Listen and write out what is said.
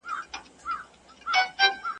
له بارانه تښتېدم، تر ناوې لاندي مي شپه سوه.